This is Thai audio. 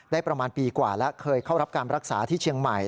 ประมาณปีกว่าแล้วเคยเข้ารับการรักษาที่เชียงใหม่